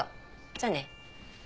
じゃあね。